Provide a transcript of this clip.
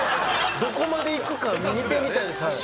どこまでいくか見てみたいです。